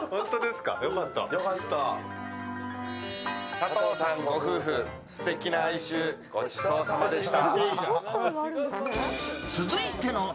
佐藤さんご夫婦、すてきな愛愁ごちそうさまでした。